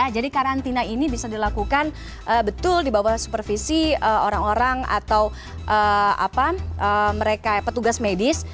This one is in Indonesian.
jadi karantina ini bisa dilakukan betul di bawah supervisi orang orang atau petugas medis